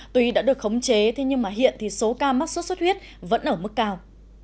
tuy đã được khống chế nhưng hiện số ca mắc xuất xuất huyết vẫn ở mức cao